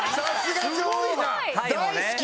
大好き！